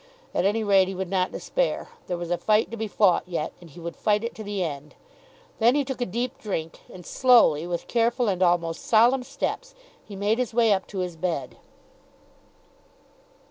At any rate, he would not despair. There was a fight to be fought yet, and he would fight it to the end. Then he took a deep drink, and slowly, with careful and almost solemn steps, he made his way up to his bed.